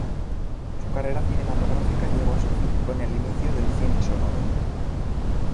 Su carrera cinematográfica llegó a su fin con el inicio del cine sonoro.